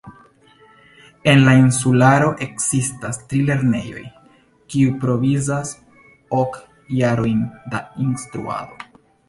En la insularo ekzistas tri lernejoj, kiuj provizas ok jarojn da instruado.